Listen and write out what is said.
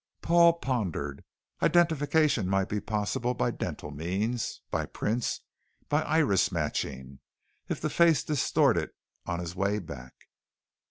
Paul pondered. Identification might be possible by dental means, by prints, by iris matching, if the face distorted on his way back.